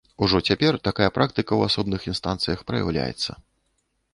Ужо цяпер такая практыка ў асобных інстанцыях праяўляецца.